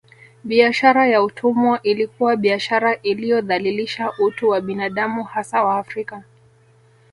Biashara ya utumwa ilikuwa biashara iliyodhalilisha utu wa binadamu hasa Waafrika